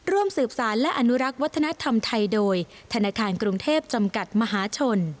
ร่วมสืบสารและอนุรักษ์วัฒนธรรมไทยโดยธนาคารกรุงเทพจำกัดมหาชน